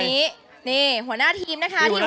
ตอนนี้หัวหน้าทีมนะคะอยู่ข้างเรา